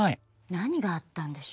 何があったんでしょう？